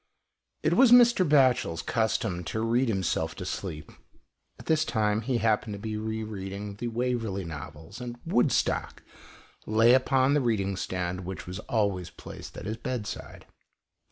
It was Mr. Batchel's custom to read himself to sleep. At this time he happened to be re reading the Waverley novels, and " Woodstock " lay upon the reading stand which was always placed at his bedside.